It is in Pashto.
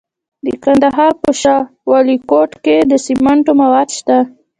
د کندهار په شاه ولیکوټ کې د سمنټو مواد شته.